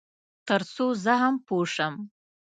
تر څو زه هم پوه شم.